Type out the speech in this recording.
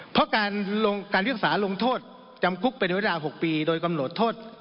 เพราะการศึกษาลงโทษจำคุกเป็นเวลา๖ปีโดยกำหนดโทษ